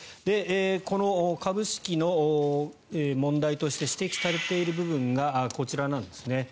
この株式の問題として指摘されている部分がこちらなんですね。